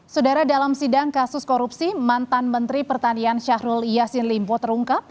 sudara dalam sidang kasus korupsi mantan menteri pertanian syahrul yassin limpo terungkap